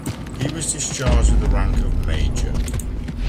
He was discharged with the rank of Major.